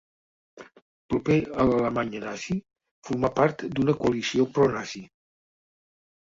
Proper a l'Alemanya nazi formà part d'una coalició pro-Nazi.